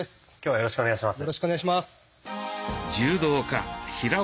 よろしくお願いします。